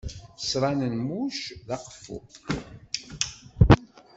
Ṣṣran n muc d aqeffu.